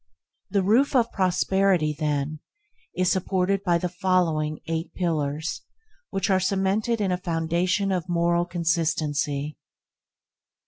The roof of prosperity, then, is supported by the following eight pillars which are cemented in a foundation of moral consistency: 1.